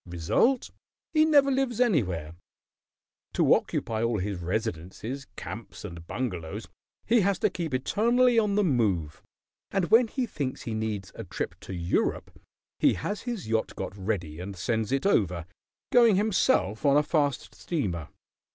Result, he never lives anywhere. To occupy all his residences, camps, and bungalows he has to keep eternally on the move, and when he thinks he needs a trip to Europe he has his yacht got ready and sends it over, going himself on a fast steamer.